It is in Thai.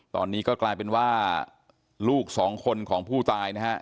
ตอนนี้ก็กลายเป็นว่าลูกสองคนของผู้ตายนะฮะ